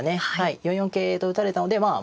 ４四桂と打たれたのでまあ